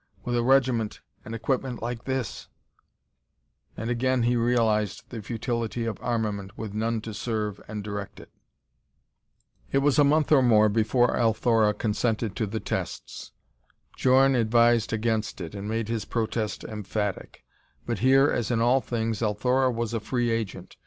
With a regiment, and equipment like this " And again he realized the futility of armament with none to serve and direct it. It was a month or more before Althora consented to the tests. Djorn advised against it and made his protest emphatic, but here, as in all things, Althora was a free agent.